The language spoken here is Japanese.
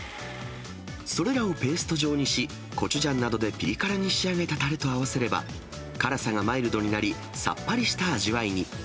それらをペースト状にし、コチュジャンなどでぴり辛に仕上げたたれと合わせれば、辛さがマイルドになり、さっぱりした味わいに。